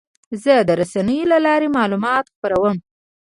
زه د رسنیو له لارې معلومات خپروم.